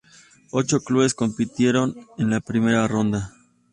Ocho clubes compitieron en la primera ronda.